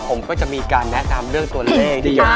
ผมก็จะมีการแนะนำเรื่องตัวเลขได้เยอะ